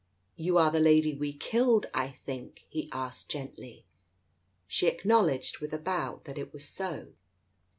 "You are the lady we killed, I think ?" he asked gently. She acknowledged with a bow that it was so.